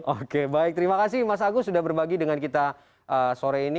oke baik terima kasih mas agus sudah berbagi dengan kita sore ini